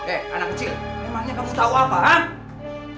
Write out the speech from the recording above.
eh anak kecil memangnya kamu tahu apa hah